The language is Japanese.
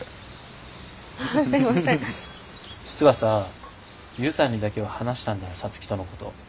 実はさ悠さんにだけは話したんだ皐月とのこと。